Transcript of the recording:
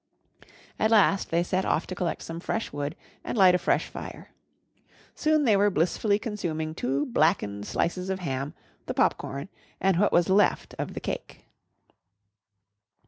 At last they set off to collect some fresh wood and light a fresh fire. Soon they were blissfully consuming two blackened slices of ham, the popcorn, and what was left of the cake.